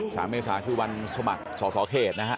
สามเมษาคือวันสมัครสอสเขตนะครับ